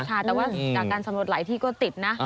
แต่ว่าจากการสำรวจหลายที่ก็ติดนะ